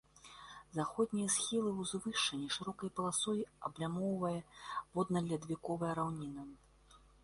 Заходнія схілы ўзвышша нешырокай паласой аблямоўвае водна-ледавіковая раўніна.